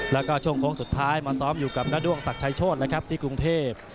แล้วก็ช่วงโค้งสุดท้ายมาซ้อมอยู่กับณด้วงศักดิ์ชัยโชธนะครับที่กรุงเทพ